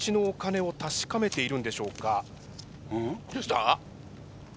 どうした？